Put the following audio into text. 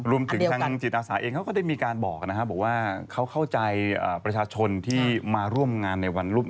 รวมถึงทางจิตอาสาเองเขาก็ได้มีการบอกนะครับบอกว่าเขาเข้าใจประชาชนที่มาร่วมงานในวันรุ่ง